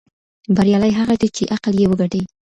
بریالی هغه دی چې عقل یې وګټي.